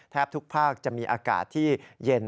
ทุกภาคจะมีอากาศที่เย็น